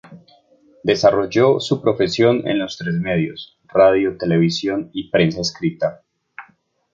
Desarrolló su profesión en los tres medios: radio, televisión y prensa escrita.